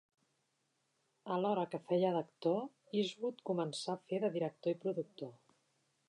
Alhora que feia d'actor, Eastwood començà a fer de director i productor.